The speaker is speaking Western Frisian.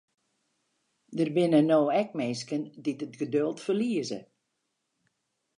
Der binne no ek minsken dy't it geduld ferlieze.